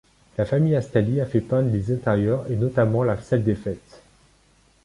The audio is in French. La famille Astalli a fait peindre les intérieurs et notamment la salle des fêtes.